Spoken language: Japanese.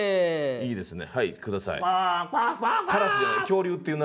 いいですね。